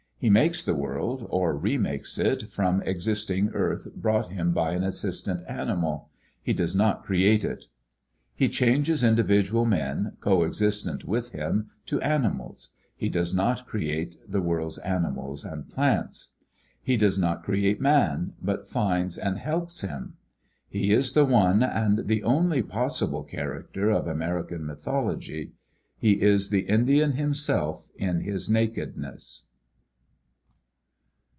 He makes the wocld or remakes it from existing earth brought him by an assistant animal; he does not create it. He changes individual men, coexistent with him, to animals; he does not create the world's animals and plants. He does not create man, but finds and helps him. He is the one and the only possible character of American mythology; he is the Indian him self in his nakedness.